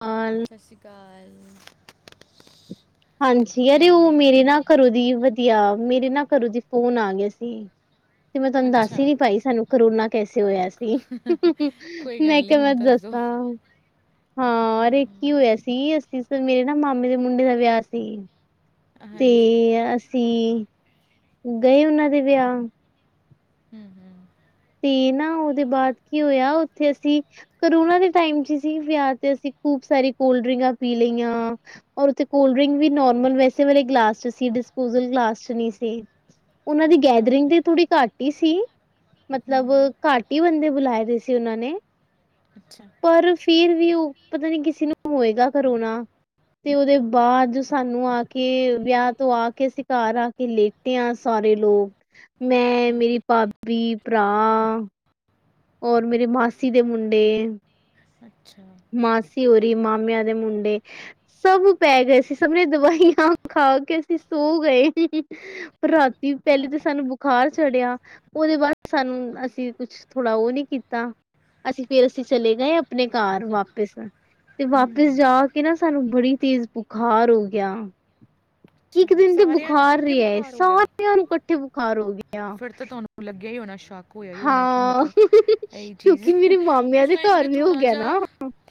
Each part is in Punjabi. ਆ ਸਤਿ ਸ਼੍ਰੀ ਅਕਾਲ। ਹਾਂਜੀ, ਕੀ ਯਰੇ ਹਾਲ ਉਹ ਹੈ ਮੇਰੇ ਨਾ ਘਰੋਂ ਦੀ ਵਧੀਆ, ਮੇਰੇ ਨਾ ਘਰੋਂ ਦੀ ਫੋਨ ਆ ਗਿਆ ਸੀ। ਤੇ ਮੈਂ ਤੁਹਾਨੂੰ ਦੱਸ ਅੱਛਾ ਹੀ ਨੀ ਪਾਈ ਸਾਨੂੰ ਕਰੋਨਾ ਕੈਸੇ ਹੋਇਆ ਸੀ। ਕੋਈ ਮੈਂ ਗੱਲ ਨਹੀਂ ਕਿਹਾ, ਮੈਂ ਹੁਣ ਦੱਸ ਦੋ ਦੱਸਾ। ਹਾਂ, ਅਰੇ ਕੀ ਹੋਇਆ ਸੀ, ਅੱਸੀ ਤੋਂ ਮੇਰੇ ਨਾ ਮਾਮੇ ਦੇ ਮੁੰਡੇ ਦਾ ਵਿਆਹ ਸੀ। ਤੇ ਹਾਂਜੀ ਅਸੀਂ ਗਏ ਉਹਨਾਂ ਦੇ ਵਿਆਹ ਹੂੰ ਤੇ ਨਾ ਉਹਦੇ ਬਾਅਦ ਕੀ ਹੋਇਆ। ਉੱਥੇ ਅਸੀਂ ਕਰੋਨਾ ਦੇ ਟੈਮ ਚ ਸੀ, ਵਿਆਹ ਤੇ ਅਸੀਂ ਖੂਬ ਸਾਰੀ ਕੋਲਡ ਡ੍ਰਿੰਕਾਂ ਪੀ ਲਈਆਂ। ਔਰ ਉਥੇ ਕੋਲਡ ਡਰਿੰਕ ਵੀ ਨੋਰਮਲ ਵੈਸੇ ਵਾਲੇ ਗਲਾਸ ਚ ਸੀ, ਡਿਸਪੋਜਲ ਗਲਾਸ ਚ ਨੀ ਸੀ। ਉਹਨਾਂ ਦੀ ਅੱਛਾ ਗੈਦਰਿੰਗ ਦੀ ਥੋੜ੍ਹੀ ਘੱਟ ਹੀ ਸੀ। ਮਤਲਬ ਹੂੰ ਘਾਟੀ ਬੰਦੇ ਬੁਲਾਏ ਦੇ ਸੀ, ਉਹਨਾਂ ਨੇ ਅੱਛਾ। ਪਰ ਫਿਰ ਵੀ ਉਹ ਪਤਾ ਨੀ ਕਿਸੇ ਨੂੰ ਹੋਏਗਾ ਕਰਾਉਣਾ। ਤੇ ਉਹਦੇ ਬਾਅਦ, ਸਾਨੂੰ ਆ ਕੇ ਵਿਆਹ ਤੋਂ ਆ ਕੇ ਸੀ, ਕਾਰ ਆ ਕੇ ਲੇ ਤੇ ਆ ਸਾਰੇ ਲੋਕ, ਮੈਂ ਮੇਰੀ, ਭਾਬੀ, ਭਰਾ ਔਰ ਮੇਰੇ ਮਾਸੀ ਦੇ ਮੁੰਡੇ ਅੱਛਾ। ਮਾਸੀ ਓਰੀ ਮਾਮਿਆਂ ਦੇ ਮੁੰਡੇ। ਸਭ ਪੈ ਗਏ ਸੀ, ਸਭਣੇ ਦਵਾਈਆਂ ਖਾ ਕੇ ਅਸੀਂ ਸੋ ਗਏ। ਪਰ ਰਾਤੀ ਪਹਿਲੇ ਅੱਛਾ ਤਾਂ ਸਾਨੂੰ ਬੁਖਾਰ ਚੜਿਆ ਉਹਦੇ ਬਾਅਦ ਸਾਨੂੰ, ਅਸੀਂ ਕੁਛ ਥੋੜਾ ਉਹ ਨੀ ਕੀਤਾ। ਅਸੀਂ ਫੇਰ ਅਸੀਂ ਚਲੇ ਗਏ, ਆਪਣੇ ਕਾਰ ਵਾਪਿਸ ਤੇ ਵਾਪਿਸ ਹੂੰ ਜਾ ਕੇ ਨਾ ਸਾਨੂੰ ਬੜੀ ਤੇਜ਼ ਬੁਖਾਰ ਹੋ ਗਿਆ। ਇੱਕ ਅੱਛਾ ਦਿਨ ਤੇ ਸਾਰਿਆਂ ਨੂੰ ਬੁਖਾਰ ਇਕੱਠੇ ਰਿਹਾ ਹੈ, ਬੁਖਾਰ ਹੋ ਗਿਆ ਸਾਰਿਆਂ ਨੂੰ ਇਕੱਠੇ ਬੁਖਾਰ ਹੋ ਗਏ। ਫਿਰ ਤਾਂ ਤੁਹਾਨੂੰ ਲੱਗਿਆ ਹੀ ਹੋਣਾ ਸ਼ੌਕ ਹਾਂ, ਚੀਜ਼ ਕਿਉਂਕਿ ਹੈ। ਮੇਰੇ ਮਾਮਿਆਂ ਉਸ ਦੇ ਟਾਈਮ ਤੇ ਘਰ ਵੀ ਹੋ ਥੋੜਾ ਗਿਆ ਜਿਹਾ ਨਾ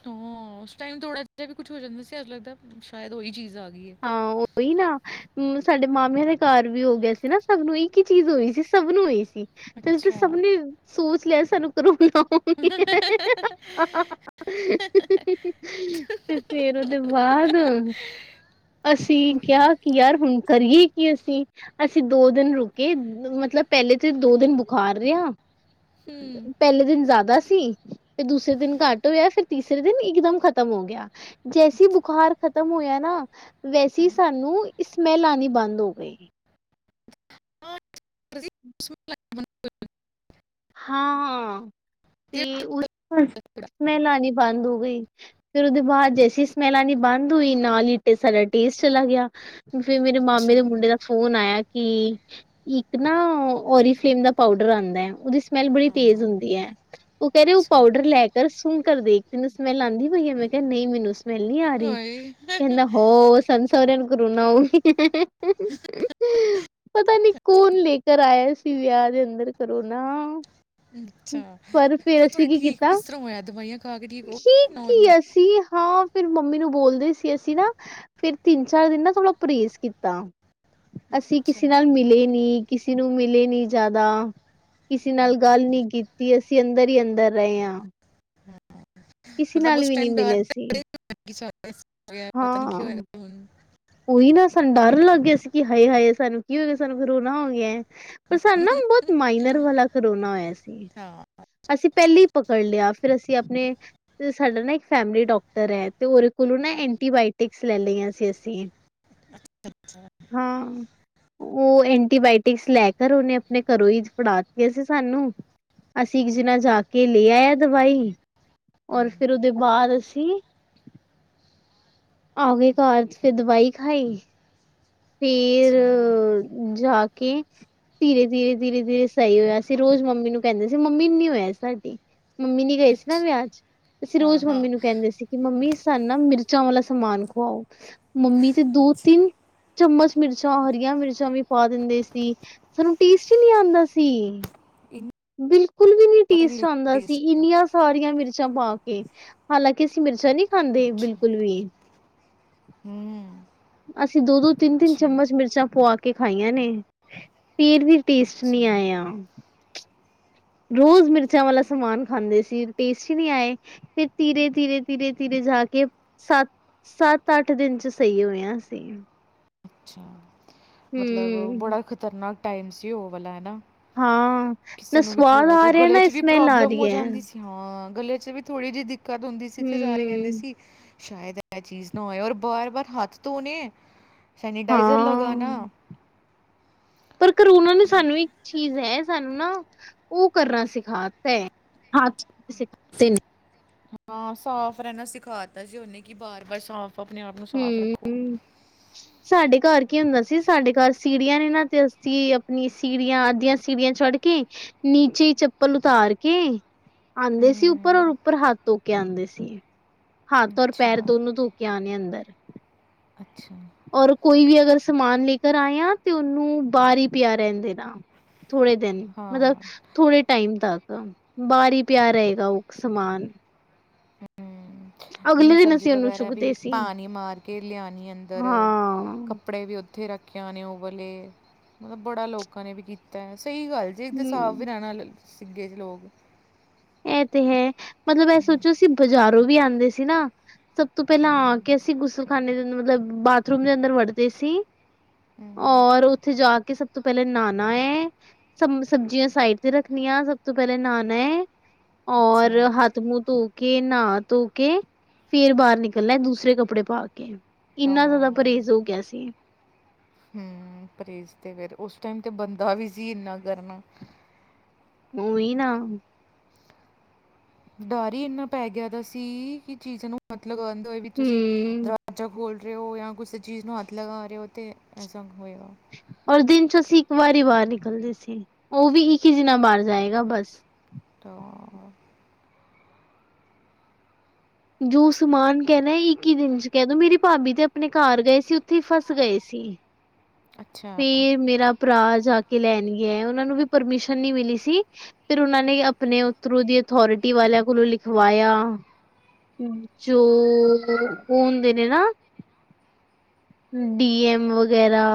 ਹਾਂ। ਉਸ ਟਾਈਮ ਥੋੜਾ ਜਿਹਾ ਵੀ ਕੁਛ ਹੋ ਜਾਂਦਾ ਸੀ ਲੱਗਦਾ ਸ਼ਾਇਦ ਉਹੀ ਚੀਜ਼ ਆ ਗਈ ਹੈ। ਹਾਂ, ਉਹੀ ਨਾ। ਮ ਸਾਡੇ ਮਾਮਿਆਂ ਦੇ ਘਰ ਵੀ ਹੋ ਗਿਆਏ ਸੀ ਨਾ, ਸਭ ਨੂੰ ਇੱਕ ਚੀਜ਼ ਹੋਈ ਸੀ। ਸਭ ਨੂੰ ਹੋਈ ਸੀ। ਤੇ ਅੱਛਾ ਸਭ ਨੇ ਸੋਚ ਲਿਆ, ਸਾਨੂੰ ਕਰੋਨਾ ਤੇ ਫੇਰ ਉਹਦੇ ਬਾਅਦ ਅਸੀਂ ਕਿਹਾ ਕਿ ਯਾਰ ਹੁਣ ਕਰੀਏ ਕੀ ਅਸੀਂ? ਅਸੀਂ ਦੋ ਦਿਨ ਰੁਕੇ ਮਤਲਬ ਪਹਿਲੇ ਤੇ ਦੋ ਦਿਨ ਬੁਖਾਰ ਰਿਹਾ ਹੂੰ ਪਹਿਲੇ ਦਿਨ ਜ਼ਿਆਦਾ ਸੀ ਤੇ ਦੂਸਰੇ ਦਿਨ ਘੱਟ ਹੋਇਆ ਫਿਰ ਤੀਸਰੇ ਦਿਨ ਇਕਦਮ ਖ਼ਤਮ ਹੋ ਗਿਆ। ਜੈਸੀ ਅੱਛਾ ਬੁਖਾਰ ਖ਼ਤਮ ਹੋਇਆ ਨਾ ਵੈਸੇ ਹਾਂ, ਸਾਨੂੰ ਇਸਮੈਲ ਆਉਣੀ ਬੰਦ ਹੋ ਗਈ। ਤੁਸੀਂ ਉਸ ਹਾਂ, ਹਾਂ ਮੌਕੇ ਤੇ ਪਤਾ ਲੱਗਾ। ਉਸਮੈ ਲ ਆਣੀ ਬੰਦ ਹੋ ਗਈ ਫਿਰ ਉਹਦੇ ਬਾਅਦ ਜੈਸੀ ਸਮੈਲ, ਆਨੀ ਬੰਦ ਹੋਈ ਨਾਲ ਹੀਟੇ ਸਾਡਾ ਟੇਸਟ ਚਲਾ ਗਿਆ। ਫਿਰ ਮੇਰੇ ਮਾਮੇ ਦੇ ਅੱਛਾ ਮੁੰਡੇ ਦਾ ਫੋਨ ਆਇਆ ਕਿ ਇੱਕ ਨਾ ਓਰੀਜ ਫਲੇਮ ਦਾ ਪਾਊਡਰ ਆਉਂਦਾ ਹੈ, ਉਹਦੀ ਸਮੈਲ ਬੜੀ ਤੇਜ਼ ਹਾਂ ਹੁੰਦੀ ਹੈ। ਉਹ ਕਹਿ ਰ ਉਹ ਅੱਛਾ ਪਾਊਡਰ ਲੈ ਕਰ ਸੁਣ ਕਰ ਦੇਖ ਤੈਨੂੰ ਸਮੈਲ ਆਉਂਦੀ ਬਈਆ, ਮੈਂ ਕਿਹਾ ਨਹੀਂ ਮੈਨੂੰ ਸਮੈਲ ਨਹੀਂ ਆ ਰਹੀ। ਹਾਏ ਕਹਿਂਦਾ ਹੋ ਸਨ ਸਾਰੇਆਂ ਨੂੰ ਕਰੋਨਾ ਹੋ। ਪਤਾ ਨੀ ਕੌਣ ਲੈਕਰ ਆਇਆ ਸੀ ਵਿਯਾ ਦੇ ਅੰਦਰ ਕਰੋਨਾ। ਅੱਛਾ ਪਰ ਫੇਰ ਫਿਰ ਅਸੀਂ ਤੁਹਾਡੇ ਕੀ ਠੀਕ ਕੀਤਾ, ਕਿਸ ਤਰ੍ਹਾਂ ਹੋਇਆ ਦਵਾਈਆਂ ਖਾ ਕੇ ਹੋ ਗਏ ਠੀਕ ਹੀ ਨਾਰਮਲ ਅਸ ਤੀਰ ਹਾਅ, ਫਿਰ ਮੰਮੀ ਨੂੰ ਬੋਲਦੇ ਸੀ ਅਸੀਂ ਨਾ ਫਿਰ ਤਿੰਨ-ਚਾਰ ਦਿਨ ਨਾ ਥੋੜ੍ਹਾ ਪਰੇਜ ਕੀਤਾ। ਅਸੀਂ ਅੱਛਾ ਕਿਸੀ ਨਾਲ ਮਿਲੇ ਨੀ, ਕਿਸੀ ਨੂੰ ਮਿਲੇ ਨੀ ਜਯਾਦਾ। ਨਾਲ ਗੱਲ ਨੀ ਕੀਤੀ ਅਸੀ ਅੰਦਰ ਈ ਅੰਦਰ ਰਏ ਆਂ। ਮਤਲਬ ਉਸ ਨਹੀਂ ਟਾਈਮ ਡਰ ਮਿਲੇ [inaudible] ਸੀ ਪਤਾ ਨੀ ਹਾਂ ਹੀ ਹੋਏਗਾ ਹੁਣ? ਉਹੀ ਨਾ ਸਾਨੂੰ ਡਰ ਲੱਗ ਗਿਆ ਸੀ ਕਿ ਹਾਏ-ਹਾਏ ਸਾਨੂੰ ਕੀ ਹੋ ਗਿਆ ਸਾਨੂੰ ਫਿਰ ਕਰੋਣਾ ਹੋ ਗਿਆ ਐ। ਪਰ ਸਨ ਨਾ ਬਹੁਤ ਮਾਈਨਰ ਵਾਲਾ ਕਰੋਨਾ ਹੋਇਆ ਸੀ। ਹਾਂ ਅਸੀਂ ਪਹਿਲੇ ਈ ਪਕੜ ਲਿਆ ਫਿਰ ਅਸੀਂ ਆਪਣੇ ਤੇ ਸਾਡਾ ਨਾ ਇੱਕ ਫੈਮਿਲੀ ਡਾਕਟਰ ਐ ਤੇ ਉਹਦੇ ਕੋਲੋਂ ਨਾ ਐਂਟੀਬਾਇਓਟਿਕਸ ਲੈ ਲਈਆਂ ਸੀ ਅਸੀਂ। ਅੱਛਾ। [unintelligible] ਹਾਂ। ਉਹ ਐਂਟੀਬਾਇਓਟਿਕਸ ਲੈ ਕਰ ਉਹਨੇ ਆਪਣੇ ਘਰੋਂ ਈ ਜ ਫੜਾਤੀਆਂ ਸੀ ਸਾਨੂੰ। ਅਸੀਂ ਇੱਕ ਜਨਾ ਜਾਕੇ ਲੈ ਆਇਆ ਦਵਾਈ ਔਰ ਹਮ, ਫਿਰ ਉਹਦੇ ਬਾਅਦ ਅਸੀਂ ਆ ਗਏ ਘਰ 'ਚ ਫਿਰ ਦਵਾਈ ਖਾਈ। ਫਿਰ ਅੱਛਾ ਜਾ ਕੇ ਧੀਰੇ-ਧੀਰੇ-ਧੀਰੇ-ਧੀਰੇ ਸਹੀ ਹੋਇਆ ਸੀ ਰੋਜ਼ ਮੰਮੀ ਨੂੰ ਕਹਿੰਦੇ ਸੀ ਮੰਮੀ ਨੀ ਹੋਇਆ ਸਾਡੀ। ਮੰਮੀ ਨੀ ਗਏ ਸੀ ਨਾ ਅੱਛਾ ਵਿਆਹ 'ਚ ਅਸੀਂ ਹਾਂ ਰੋਜ਼ ਹਾਂ ਮੰਮੀ ਨੂੰ ਕਹਿੰਦੇ ਸੀ। ਕਿ ਮੰਮੀ ਸਨ ਨਾ ਮਿਰਚਾਂ ਵਾਲਾ ਸਮਾਨ ਖਵਾਓ ਮੰਮੀ ਤੇ ਦੋ- ਅੱਛਾ ਤਿੰਨ ਚਮਚ ਮਿਰਚਾਂ ਹਰੀਆਂ ਮਿਰਚਾਂ ਵੀ ਪਾ ਦਿੰਦੇ ਸੀ ਸਾਨੂੰ ਟੇਸਟ ਈ ਨੀ ਆਂਦਾ ਸੀ। ਇਹਨੂੰ ਬਿਲਕੁਲ, ਵੀ ਨੀ ਪਤਾ ਨਹੀਂ ਟੇਸਟ ਲੱਗਦਾ ਆਂਦਾ ਸੀ। ਟੇਸਟ ਇੰਨੀਆਂ ਸਾਰੀਆਂ ਮਿਰਚਾਂ ਪਾ ਕੇ ਹਾਲਾਂਕਿ ਅਸੀਂ ਮਿਰਚਾਂ ਨੀ ਖਾਂਦੇ ਅੱਛਾ ਬਿਲਕੁਲ ਵੀ। ਹੂੰ। ਅਸੀਂ ਦੋ-ਦੋ, ਤਿੰਨ-ਤਿੰਨ ਅੱਛਾ ਚਮਚ ਮਿਰਚਾਂ ਪੁਆ ਕੇ ਖਾਈਆਂ ਨੇ। ਫੇਰ ਵੀ ਟੇਸਟ ਅੱਛਾ ਨੀ ਆਇਆ। ਰੋਜ਼ ਮਿਰਚਾਂ ਵਾਲਾ ਸਮਾਨ ਖਾਂਦੇ ਸੀ ਟੇਸਟ ਈ ਨੀ ਆਏ। ਫੇਰ ਧੀਰੇ-ਧੀਰੇ-ਧੀਰੇ-ਧੀਰੇ ਜਾ ਕੇ ਸਤ ਸੱਤ-ਅੱਠ ਦਿਨ 'ਚ ਸਹੀ ਹੋਇਆ ਅਸੀ। ਅੱਛਾ, ਮਤਲਬ ਹੂੰ ਬੜਾ ਖ਼ਤਰਨਾਕ ਟਾਈਮ ਸੀ ਉਹ ਵਾਲਾ ਹੈਨਾ। ਹਾਂ, ਨਾ ਸਵਾਦ ਆ ਰਿਹਾ, ਗਲੇ ਨਾ 'ਚ ਵੀ ਇਸਮੈਲ ਆ ਪ੍ਰੋਬਲਮ ਹੋ ਰਹੀ ਐ। ਜਾਂਦੀ ਸੀ ਹਾਂ ਗਲੇ 'ਚ ਵੀ ਥੋੜੀ ਜਿਹੀ ਦਿੱਕਤ ਹੁੰਦੀ ਸੀ ਤੇ ਸਾਰੇ ਕਹਿੰਦੇ ਹੂੰ ਸੀ ਸ਼ਾਇਦ ਇਹ ਚੀਜ਼ ਨਾ ਹੋਏ ਔਰ ਬਾਰ-ਬਾਰ ਹੱਥ ਧੋਣੇ, ਸੈਨੀਟਾਈਜ਼ਰ ਹਾਂ ਲਗਾਨਾ। ਪਰ ਕਰੋਣਾ ਨੇ ਸਾਨੂੰ ਵੀ ਚੀਜ਼ ਹੈ ਸਾਨੂੰ ਨਾ ਉਹ ਕਰਨਾ ਸਿਖਾ ਤੇ ਹਥ ਧੋਣੇ ਸੀਖਾ [unintelligible] ਹਾਂ, ਸਾਫ਼ ਰਹਿਣਾ ਸਿਖਾ ਦਿੱਤਾ ਸੀ ਉਹਨੇ ਕਿ ਬਾਰ-ਬਾਰ ਸਾਫ਼ ਆਪਣੇ-ਆਪ ਨੂੰ ਸਾਫ਼ ਰੱਖੋ। ਹੂੰ [inaudible] ਸਾਡੇ ਘਰ ਕੀ ਹੁੰਦਾ ਸੀ ਸਾਡੇ ਘਰ ਸੀੜੀਆਂ ਨੇ ਨਾਂ ਤੇ ਅਸੀਂ ਆਪਣੀ ਸੀੜੀਆਂ ਅੱਧੀਆਂ ਸੀੜੀਆਂ ਚੜ ਕੇ ਨੀਚੇ ਈ ਚੱਪਲ ਉਤਾਰ ਕੇ। ਆਉਂਦੇ ਸੀ ਉੱਪਰ ਹੂੰ ਔਰ ਉੱਪਰ ਹੱਥ ਧੋ ਕੇ ਆਂਦੇ ਸੀ। ਹੱਥ ਔਰ ਪੈਰ ਅੱਛਾ ਦੋਨੋ ਧੋ ਕੇ ਆਣੇ ਅੰਦਰ। ਅੱਛਾ। ਔਰ ਕੋਈ ਵੀ ਅਗਰ ਸਮਾਨ ਲੈ ਕਰ ਆਇਆ ਤੇ ਉਹਨੂੰ ਬਾਹਰ ਈ ਪਿਆ ਰਹਿਣ ਦੇ ਨਾ। ਥੋੜੇ ਦਿਨ ਹਾਂ ਮਤਲਬ ਹਾਂ ਥੋੜੇ ਟਾਈਮ ਤੱਕ ਬਾਹਰ ਈ ਪਿਆ ਰਹੇਗਾ ਉਹ ਸਮਾਨ। ਅਗਲੇ ਦਿਨ ਸਬਜ਼ੀ ਅਸੀਂ ਉਹਨੂੰ ਵਗੈਰਾ ਵੀ ਚੁੱਕਦੇ ਸੀ ਪਾਣੀ ਮਾਰ ਕੇ ਲਿਆਣੀ ਅੰਦਰ ਹਾਂ ਕੱਪ ਕੱਪੜੇ ਵੀ ਉੱਥੇ ਰੱਖੇ ਆਨੇ ਉਹ ਵਾਲੇ ਮਤਲਬ ਬੜਾ ਲੋਕਾਂ ਨੇ ਵੀ ਕੀਤਾ ਸਹੀ ਗੱਲ ਜੇ ਇੱਧਰ ਸਾਫ ਹਮ ਵੀ ਰਹਿਣਾ ਸੀਖ ਗਏ ਸੀ ਲੋਕ। ਇਹ ਤੇ ਹੈ, ਮਤਲਬ ਇਹ ਸੋਚੋ ਸੀ ਬਾਜ਼ਾਰੋਂ ਵੀ ਆਉਂਦੇ ਸੀ ਨਾ ਸਭ ਤੋਂ ਪਹਿਲਾਂ ਆ ਕੇ ਅਸੀਂ ਗੁਸਲਖਾਨੇ ਦੇੰ ਅੰਦਰ ਮਤਲਬ ਬਾਥਰੂਮ ਦੇ ਅੰਦਰ ਵੜਦੇ ਸੀ। ਹੂੰ ਔਰ ਉੱਥੇ ਜਾ ਕੇ ਸਭ ਸਬ ਤੋਂ ਪਹਿਲਾਂ ਨਹਾਣਾ ਏ ਸ ਸਬਜ਼ੀਆਂ ਸਾਈਡ ਤੇ ਰੱਖਣੀਆਂ ਸਭ ਤੋਂ ਪਹਿਲਾਂ ਨਹਾਣਾ ਐ। ਔਰ ਅੱਛਾ ਹਥ ਮੂੰਹ ਧੋ ਕੇ ਨ੍ਹਾ ਧੋ ਕੇ ਫੇਰ ਬਾਹਰ ਨਿਕਲਣਾ, ਦੂਸਰੇ ਕੱਪੜੇ ਪਾ ਕੇ। ਹਾਂ ਇੰਨਾ ਜ਼ਿਆਦਾ ਪਰਹੇਜ਼ ਹੋ ਗਿਆ ਸੀ। ਹੂੰ, ਪਰੇਜ਼ ਤੇ ਫੇਰ ਓਸ ਟਾਈਮ ਤੇ ਬਣਦਾ ਵੀ ਸੀ, ਇੰਨਾ ਕਰਨਾ। ਓਹੀ ਨਾ। ਡਰ ਹੀ ਇੰਨਾ ਪੈ ਗਿਆ ਦਾ ਸੀ, ਕਿ ਚੀਜ਼ ਨੂੰ ਮਤਲਬ ਅੰਦੇ ਹੋਏ ਵੀ ਤੁਸੀਂ ਦਰਵਾ ਵਾਜਾ ਖੋਲ ਰੇ ਹੋ, ਯਾ ਕੂਸੇ ਚੀਜ਼ ਨੂੰ ਹੱਥ ਲਗਾ ਰੇ ਹੋ ਤੇ ਐਸਾ ਹੋਏਗਾ। ਔਰ ਦਿਨ ਚ ਅਸੀਂ ਇੱਕ ਵਾਰੀ ਬਾਰ ਨਿਕਲਦੇ ਸੀ, ਓਹ ਵੀ ਇੱਕ ਹੀ ਜਨਾ ਬਾਰ ਜਾਏਗਾ ਬਸ। ਤੋ ਜੋ ਸਮਾਨ ਕੈਣੈ ਇੱਕੀ ਦਿਨ ਚ ਕੈ ਦੋ, ਮੇਰੀ ਭਾਬੀ ਤੇ ਅਪਣੇ ਘਰ ਗਏ ਸੀ ਉਥੇ ਹੀ ਫਸ ਗਏ ਸੀ। ਅੱਛਾ ਫੇਰ ਮੇਰਾ ਭਰਾ ਜਾ ਕੇ ਲੈਣ ਗਿਆ, ਓਹਨਾ ਨੂੰ ਵੀ ਪਰਮਿਸ਼ਨ ਨੀ ਮਿਲੀ ਸੀ। ਫਿਰ ਉਨਾਂ ਨੇ ਅਪਣੇ ਔਥਰੋਂ ਦੀ ਅਥੋਰਟੀ ਵਾਲਿਆਂ ਕੋਲੋਂ ਲਿਖਵਾਇਆ। ਜੋ ਹੁੰਦੇ ਨੇ ਨਾ। ਡੀ ਐਮ ਵਗੈਰਾ।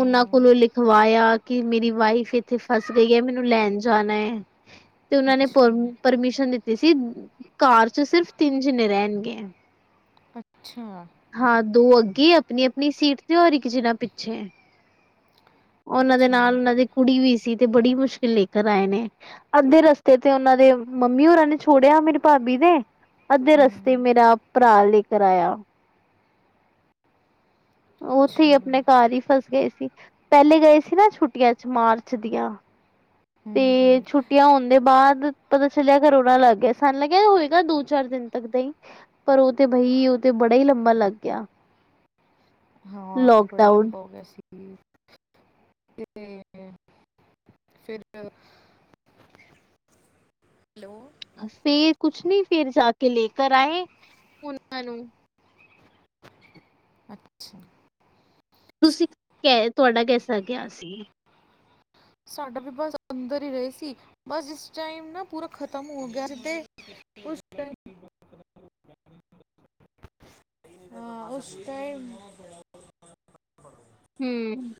ਉਨਾਂ ਕੋਲੋਂ ਲਿਖਵਾਇਆ, ਕਿ ਮੇਰੀ ਵਾਈਫ ਏਥੇ ਫਸ ਗਈ ਐ ਮੈਨੂੰ ਲੈਣ ਜਾਣਾ ਏ। ਤੇ ਉਨਾਂ ਨੇ ਅੱਛਾ ਜੀ ਪਰਮ ਮੈਡਮ ਪਰਮਿਸ਼ਨ ਦਿੱਤੀ ਸੀ, ਕਾਰ ਚ ਸਿਰਫ਼ ਤਿੰਨ ਜਣੇੇ ਰੈਣਗੇ। [unintelligible] ਅੱਛਾ। ਹਾਂ, ਦੋ ਅੱਗੇ ਅਪਣੀ-ਅਪਣੀ ਸੀਟ ਤੇ ਔਰ ਇੱਕ ਜਿਨਾ ਪਿੱਛੇ। ਔਨਾਂ ਦੇ ਅੱਛਾ ਨਾਲ ਹੂੰ ਔਨਾਂ ਦੀ ਕੁੜੀ ਵੀ ਸੀ, ਤੇ ਬੜੀ ਮੁਸ਼ਕਿਲ ਲੇਕਰ ਆਏ ਨੇ। ਅੱਧੇ ਰਸਤੇ ਤੇ ਔਨਾਂ ਦੇ ਮੰਮੀ ਹੋਰਾਂ, ਨੇ ਛੋੜਿਆ ਮੇਰੀ ਭਾਬੀ ਦੇ। ਅੱਧੇ ਰਸਤੇ ਮੇਰਾ ਭਰਾ ਲੇ ਕਰ ਆਇਆ। ਔ ਔਥੇ ਅੱਛਾ ਹੀ ਅਪਣੇ ਘਰ ਹੀ ਫਸ ਗਏ ਸੀ ਪੈਲੇ ਗਏ ਸੀ, ਨਾ ਛੁੱਟੀਆਂ ਚ ਮਾਰਚ ਦੀਆਂ ਹੂੰ ਤੇ ਹੂੰ ਛੁੱ ਛੁਟੀਆਂ ਹੋਣ ਦੇ ਬਾਦ ਪਤਾ ਚੱਲਿਆ, ਕਰੋਣਾ ਲੱਗ ਗਿਆ, ਸਾਨ ਲੱਗਿਆ ਹੋਏਗਾ, ਦੋ-ਚਾਰ ਦਿਨ ਤੱਕ ਦਾ ਹੀ। ਪਰ ਓਹ ਤੇ ਬਹੀ ਉਹ ਤੇ ਬੜਾ ਹੀ ਲੰਬਾ ਲੱਗ ਗਿਆ। ਆ ਬੜਾ ਲੋਕਡਾਊਨ। ਲੰਬਾ ਹੋ ਗਿਆ ਸੀ। ਤੇ ਫਿਰ ਹੈਲੋ ਫੇਰ ਕੁਛ ਨੀ ਫੇਰ ਜਾ ਕੇ ਲੇਕਰ ਆਏ, ਓਹਨਾਂ ਨੂੰ। ਅੱਛਾ। ਤੁਸੀਂ ਕੈ ਤੁਹਾਡਾ ਕੈਸਾ ਗਿਆ ਸੀ? ਸਾਡਾ ਵੀ ਬਸ ਅੰਦਰ ਹੀ ਰਹੇ ਸੀ, ਬਸ ਜਿਸ ਟਾਈਮ ਨਾ ਪੂਰਾ ਖਤਮ ਹੋ ਗਿਆ, ਜਿੱਦੇ ਉਸ ਟਾਈਮ ਹਾਂ, ਉਸ ਟਾਈਮ ਹੂੰ।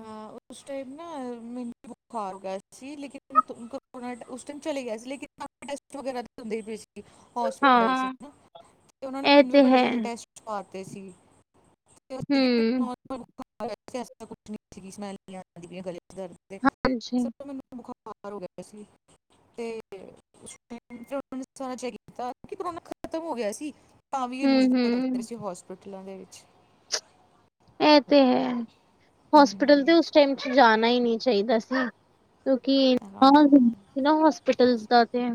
ਹਾਂ ਉਸ ਟਾਈਮ ਨਾ ਮੈਨੂੰ ਬੁਖਾਰ ਗਿਆ ਸੀ, ਲੇਕਿਨ [inaudible] ਉਸ ਟੈਮ ਚਲੇ ਗਿਆ ਸੀ, ਲੇਕਿਨ ਕਾਫੀ ਟੈਸਟ ਵਗੈਰਾ ਦੀ ਹੁੰਦੀ ਪਈ ਸੀ। ਹੋਸਪਿਟਲ ਚ ਹਾਂ। ਨਾ ਤੇ ਓਨਾਂ ਨੇ, ਇਹ ਮੈਨੂੰ ਵੀ ਤੇ ਬੜੇ ਹੈ। ਜੈਦਾ ਟੈਸਟ ਪਵਾਤੇ ਸੀ। [unintelligible] ਹੂੰ, ਨੋਰਮਲ ਬੁਖਾਰ ਹੋਇਆ ਸੀ, ਐਸਾ ਕੁਛ ਨੀ ਸੀ ਸਮੈਲ ਨੀ ਆਦੀ ਪੀ ਯਾ ਗਲੇ ਚ ਦਰਦ ਦੇ ਹਾਂਜੀ। ਸਗੋਂ ਮੈਨੂੰ ਬੁਖਾਰ ਹੋ ਗਿਆ ਸੀ। ਤੇ [unintelligible] ਸਾਰਾ ਚੈੱਕ ਕੀਤਾ, ਕਿ ਕਰੋਨਾ ਖਤਮ ਹੋ ਗਿਆ ਸੀ। ਤਾਂ ਵੀ ਇਨੀ ਜਿਦਾ ਹੂੰਦੇ ਹੂੰ-ਹੂੰ, ਸੀ, ਹੋਸਪਿਟਲਾਂ ਦੇ ਵਿੱਚ। ਐ ਤੇ ਹੈ ਹੋਸਪਿਟਲ ਤੇ ਹਮ, ਉਸ ਟਾਈਮ ਚ ਜਾਣਾ ਹੀ ਨਹੀਂ ਚਾਹੀਦਾ ਸੀ। ਕਿਉਂ ਕਿ ਹਾਂ [unintelligible] ਨਾ ਹੋਸਪਿਟਲ ਦਾ ਤੇ।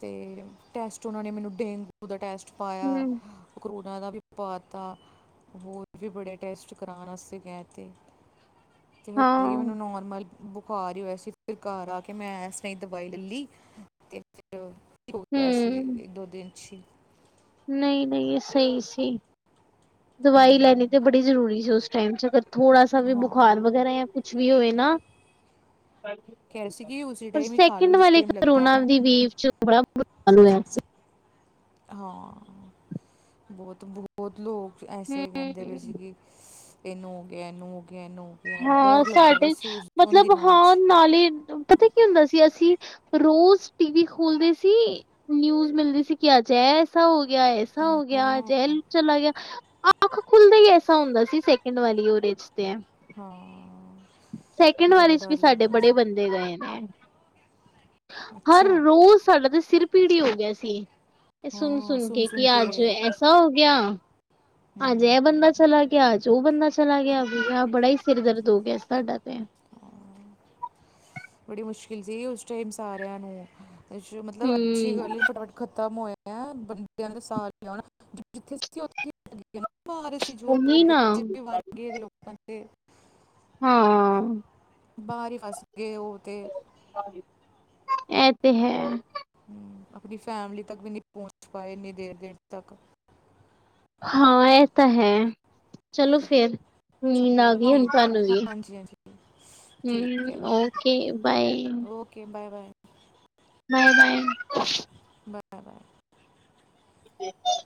ਤੇ ਟੈਸਟ ਓਹਨਾਂ ਨੇ ਮੈਨੂੰ ਡੇਂਗੂ ਦਾ ਟੈਸਟ ਪਾਇਆ। ਹੂੰ, ਕਰੋਨਾ ਦਾ ਵੀ ਪਾਤਾ, ਹੋਰ ਵੀ ਬੜੇ ਟੈਸਟ ਕਰਾਣ ਅਸਤੇ ਕੈ ਤੇ। ਤਿਵੇ ਵੇ ਕਿ ਹਾਂ। ਮੈਨੂੰ ਨੋਰਮਲ ਬੁਖਾਰ ਹੀ ਹੋਇਆ ਸੀ, ਫਿਰ ਘਰ ਆ ਕੇ ਮੈਂ ਐਸਰਾ ਹੀ ਦਵਾਈ ਲੱਲੀ। ਫਿਰ ਹੋ ਗਿਆ ਸੀ, ਹੂੰ, ਇੱਕ ਦੋ ਦਿਨ 'ਚ ਹੀ। ਨਹੀਂ-ਨਹੀਂ ਸਹੀ ਸੀ, ਦਵਾਈ ਲੈਣੀ ਤੇ ਬੜੀ ਜ਼ਰੂਰੀ ਸੀ, ਓਸ ਟਾਈਮ ਚ। ਥੋੜਾ ਸਾ ਵੀ ਹਾਂ ਬੁਖਾਰ ਵਗੈਰਾ ਜਾ ਕੁਛ ਵੀ ਹੋਏ ਨਾ ਕਹਿ ਰਹੇ ਸੀ ਕਿ ਉਸੇ ਪਰ ਟਾਈਮ ਹੀ ਖਾ ਲਓ ਸੈਕਿੰਡ ਜਿਸ ਵਾਲੇ ਟਾਈਮ ਲੱਗਦਾ ਕਰੋਨਾ ਪਿਆ ਦੀ ਵੇਵ ਚ ਬੜਾ ਬੁਰਾ ਹਾਲ ਹੋਇਆ ਸੀ। ਹਾਂ, ਬਹੁਤ ਬਹੁਤ ਲੋਕ ਐਸੇ ਕਹਿੰਦੇ ਪਏ ਹੂੰ। ਸੀ ਕਿ ਇਹਨੂੰ ਹੋ ਗਿਆ, ਇਹਨੂੰ ਹੋ ਗਿਆ, ਇਹਨੂੰ ਗਿਆ ਹਾਂ ਡਰ ਲੱਗਦਾ ਪਿਆ ਸਾਡੇ ਸੀ ਉਸ ਉਹਨਾਂ ਮਤਲਬ ਦਿਨਾਂ ਹਾਂ ਵਿੱਚ ਨਾਲੇ ਪਤਾ ਕੀ ਹੁੰਦਾ ਸੀ ਅਸੀਂ ਰੋਜ਼ ਟੀਵੀ ਖੋਲਦੇ ਸੀ, ਨਿਊਜ ਮਿਲਦੇ ਸੀ ਕਿ ਅੱਜ ਐਸਾ ਹੋ ਗਿਆ ਐਸਾ ਹੋ ਗਿਆ ਹਾਂ ਜਹਿਲ ਚਲਾ ਗਿਆ, ਅਖ ਖੁੱਲਦਾ ਹੀ ਐਸਾ ਹੁੰਦਾ ਸੀ ਸੈਕਿੰਡ ਵਾਲੀ ਓਰੇਜ ਤੇ ਹੈ ਹ ਸੈਕਿੰਡ ਵਾਲੇ ਚ ਵੀ ਸਾਡੇ ਬੜੇ ਬੰਦੇ ਗਏ ਨੇ। ਹਰ ਅੱਛਾ ਰੋਜ਼ ਸਾਡਾ ਤੇ ਸਿਰ ਪੀੜੀ ਹੋ ਗਿਆ ਸੀ ਸੁਣ- ਸੁਣ ਕੇ ਕੀ ਅਜ ਇਸ ਤਰਾ ਹੋ ਗਿਆ ਅੱਜ ਹਮ, ਇਹ ਬੰਦਾ ਚਲਾ ਗਿਆ, ਅੱਜ ਉਹ ਬੰਦਾ ਚਲਾ ਗਿਆ ਬੜਾ ਹੀ ਸਿਰ ਦਰਦ ਹੋ ਗਿਆ ਸਾਡਾ ਤੇ ਹਾਂ, ਬੜੀ ਮੁਸ਼ਕਿਲ ਸੀ ਉਸ ਟਾਈਮ ਸਾਰਿਆਂ ਨੂੰ, ਮਤਲਬ ਅੱਛੀ ਹੂੰ ਗਲੀ ਫਟਾਫਟ- ਖਤਮ ਹੋਇਆ ਪਿਆ, ਬੰਦਿਆਂ ਦਾ ਸਾਹ ਨਾ ਆਉਣਾ ਜਿੱਥੇ ਉੱਥੇ ਭਾਰ [unintelligible] ਜੋੋੜ ਉਹੀ ਬ ਨਾ ਵਰਗੇ ਉ ਹਾਂ ਬਾਹਰ ਹੀ ਫਸ ਗਏ ਉਹ ਤੇ ਹਾਂਜੀ ਇਹ ਤੇ ਹੈ ਹਮ, ਆਪਣੀ ਫੈਮਲੀ ਤੱਕ ਵੀ ਨਹੀਂ ਪਹੁੰਚ ਪਾਏ ਇੰਨੀ ਦੇਰ ਦੇਰ ਤੱਕ ਹਾਂ ਇਹ ਤਾਂ ਹੈ, ਚਲੋ ਫਿਰ ਚਲੋ ਠੀਕ, ਹਾਂਜੀ- ਹਾਂਜੀ ਠੀਕ ਹਮ ਹੈ okay bye okay bye bye bye bye bye bye ਠ [unintelligible]